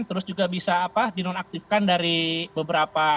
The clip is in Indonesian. terus juga bisa apa di nonaktifkan dari beberapa